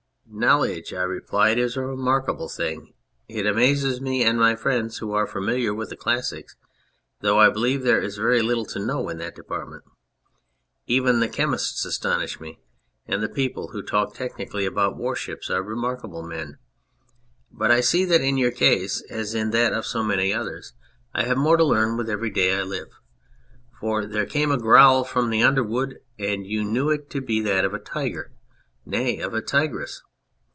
"Knowledge," I replied, "is a remarkable thing; it amazes me and my friends who are familiar with the classics, though I believe there is very little to know in that department. Even the chemists astonish me, and the people who talk technically about warships are remarkable men ; but I see that in your case, as in that of so many others, I have 246 The Hunter more to learn with every day I live, for there came a growl from the underwood and you knew it to be that of a tiger nay, of a tigress.